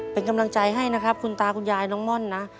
เป็นกำลังใจให้นะครับคุณตาคุณยายน้องม่อนนะ